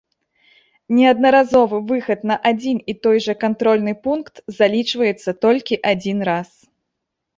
Неаднаразовы выхад на адзін і той жа кантрольны пункт залічваецца толькі адзін раз.